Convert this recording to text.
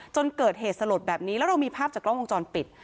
จนเกิดเหตุสลดแบบนี้แล้วเรามีภาพจากกล้องวงจรปิด